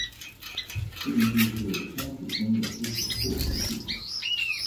固定剂是香水工业不可或缺的部份。